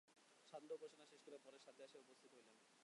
সান্ধ্য উপাসনা শেষ করিয়া পরেশ ছাতে আসিয়া উপস্থিত হইলেন।